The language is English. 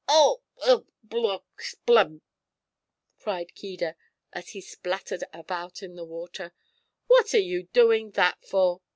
"Oh! Ugh! Blurg! Splub!" cried Keedah, as he splattered about in the water. "What are you doing that for?"